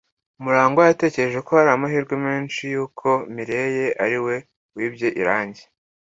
MuragwA yatekereje ko hari amahirwe menshi yuko Mirelle ari we wibye irangi.